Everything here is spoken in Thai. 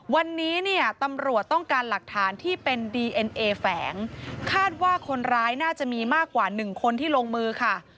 วันนี้เนี่ยตำรวจต้องการหลักฐานที่เป็นดีเอ็นเอแฝงคาดว่าคนร้ายน่าจะมีมากกว่าหนึ่งคนที่ลงมือค่ะ